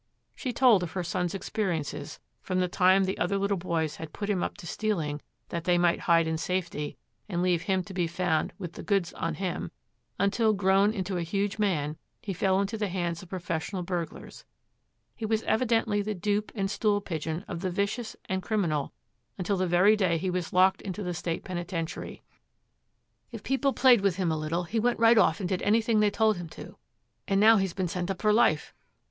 She told of her son's experiences, from the time the other little boys had put him up to stealing that they might hide in safety and leave him to be found with 'the goods' on him, until, grown into a huge man, he fell into the hands of professional burglars; he was evidently the dupe and stool pigeon of the vicious and criminal until the very day he was locked into the State Penitentiary. 'If people played with him a little, he went right off and did anything they told him to, and now he's been sent up for life.